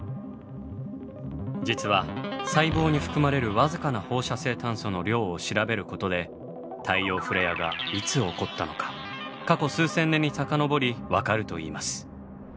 実は細胞に含まれる僅かな放射性炭素の量を調べることで太陽フレアがいつ起こったのか過去数千年に遡りわかるといいます。